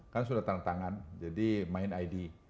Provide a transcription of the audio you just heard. kan sudah tanda tangan jadi main id